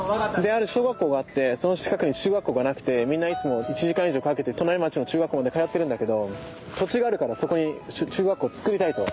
ある小学校があってその近くに中学校がなくてみんないつも１時間以上かけて隣町の中学校まで通ってるんだけど土地があるからそこに中学校をつくりたいと。